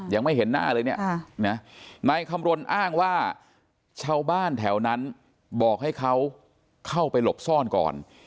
ยังไม่เห็นหน้าเลยเนี่ยนายคำรณอ้างว่าชาวบ้านแถวนั้นบอกให้เขาเข้าไปหลบซ่อนก่อน